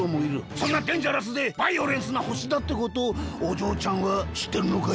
そんなデンジャラスでバイオレンスなほしだってことおじょうちゃんはしってるのかい？